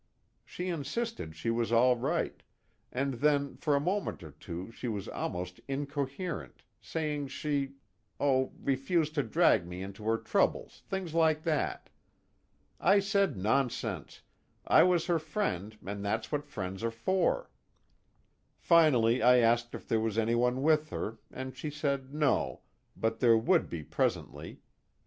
She insisted she was all right, and then for a moment or two she was almost incoherent, saying she oh, refused to drag me into her troubles, things like that. I said nonsense, I was her friend and that's what friends are for. Finally I asked if there was anyone with her, and she said no, but there would be presently.